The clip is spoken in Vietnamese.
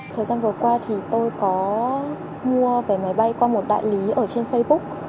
thời gian vừa qua thì tôi có mua về máy bay qua một đại lý ở trên facebook